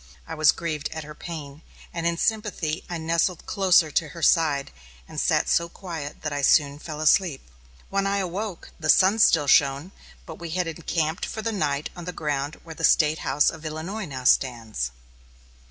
I was grieved at her pain, and in sympathy nestled closer to her side and sat so quiet that I soon fell asleep. When I awoke, the sun still shone, but we had encamped for the night on the ground where the State House of Illinois now stands.